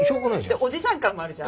でおじさん感もあるじゃん。